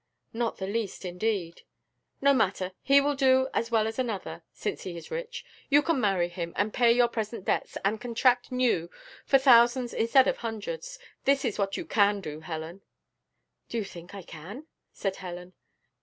"Not the least, indeed." "No matter, he will do as well as another, since he is rich. You can marry him, and pay your present debts, and contract new, for thousands instead of hundreds: this is what you CAN do, Helen." "Do you think I can?" said Helen.